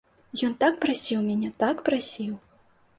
Ён так прасіў мяне, так прасіў.